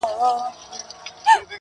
هر څه چي راپېښ ســولـــــه.